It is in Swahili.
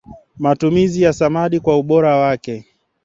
matumizi ya samadi kwa ubora wake